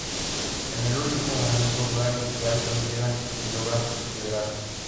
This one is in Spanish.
En el último momento Gary y Allison llegan y logran liberarlos.